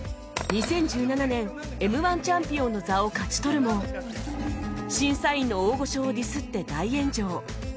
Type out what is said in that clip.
２０１７年 Ｍ−１ チャンピオンの座を勝ち取るも審査員の大御所をディスって大炎上